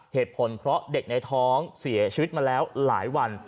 เหตุผลเพราะเด็กในท้องเสียชีวิตมาแล้วหลายวัน